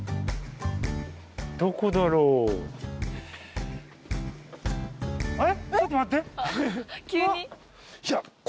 どこだろう？あっ。